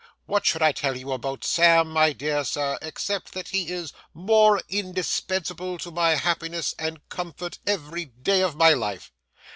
What should I tell you about Sam, my dear sir, except that he is more indispensable to my happiness and comfort every day of my life?